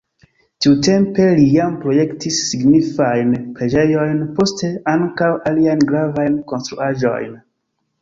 Tiutempe li jam projektis signifajn preĝejojn, poste ankaŭ aliajn gravajn konstruaĵojn.